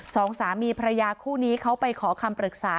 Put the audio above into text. สองสามีภรรยาคู่นี้เขาไปขอคำปรึกษา